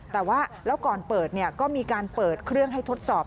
แต่ว่าแล้วก่อนเปิดก็มีการเปิดเครื่องให้ทดสอบ